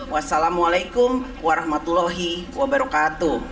wassalamualaikum warahmatullahi wabarakatuh